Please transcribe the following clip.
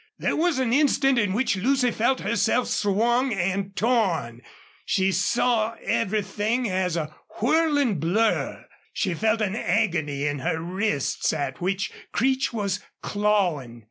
There was an instant in which Lucy felt herself swung and torn; she saw everything as a whirling blur; she felt an agony in her wrists at which Creech was clawing.